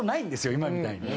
今みたいに。